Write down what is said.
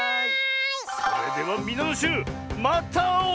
それではみなのしゅうまたあおう！